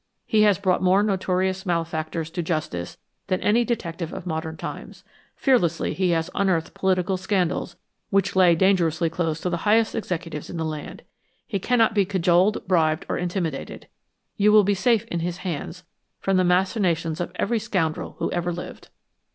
He has brought more notorious malefactors to justice than any detective of modern times; fearlessly, he has unearthed political scandals which lay dangerously close to the highest executives of the land. He cannot be cajoled, bribed or intimidated; you will be safe in his hands from the machinations of every scoundrel who ever lived."